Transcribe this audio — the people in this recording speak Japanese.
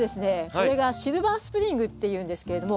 これが「シルバースプリング」というんですけれども。